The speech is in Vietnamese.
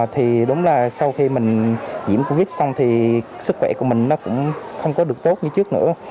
thì đúng là sau khi mình nhiễm covid xong thì sức khỏe của mình nó cũng không có được tốt như trước nữa